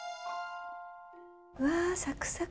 うわサクサク。